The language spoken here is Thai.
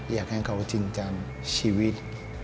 อยากให้เขาจริงจังชีวิต